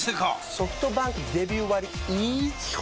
ソフトバンクデビュー割イズ基本